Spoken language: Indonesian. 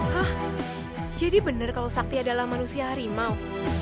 hah jadi bener kalo sakti adalah manusia harimau